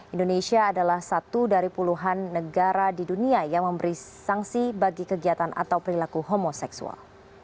indonesia adalah satu dari puluhan negara di dunia yang memberi sanksi bagi kegiatan atau perilaku homoseksual